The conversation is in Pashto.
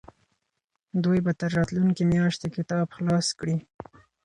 دوی به تر راتلونکې میاشتې کتاب خلاص کړي.